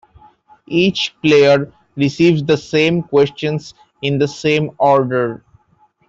Each player receives the same questions in the same order.